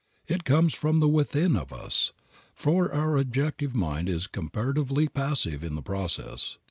It comes from the Within of us, for our objective mind is comparatively passive in the process.